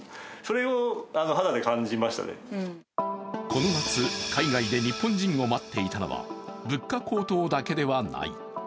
この夏、海外で日本人を待っていたのは物価高騰だけではない。